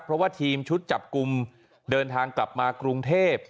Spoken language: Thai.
เพราะว่าทีมชุดจับกลุ่มเดินทางกลับมากรุงเทพ